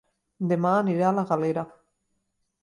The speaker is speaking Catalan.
Dema aniré a La Galera